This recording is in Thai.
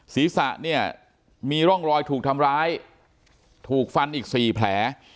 ศีรษะเนี่ยมีร่องรอยถูกทำร้ายถูกฟันอีก๔แผล